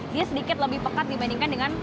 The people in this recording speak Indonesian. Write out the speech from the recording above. dia sedikit lebih pekat dibandingkan dengan